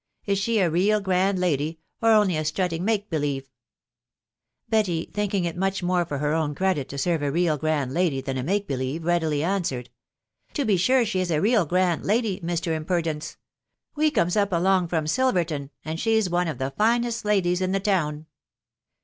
... Is she a rea grand lady, or only a strutting make believe ?" Betty, thinking it much more for her own credit to serve a> real grand lady than a make believe, readily answered, — u To be sure, she is a real grand lady, Mr. Imperdence. •.. We comes up along from Silverton, and she's one of the finest ladies in the town."